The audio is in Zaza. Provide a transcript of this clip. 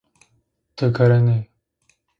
Tı kerenê.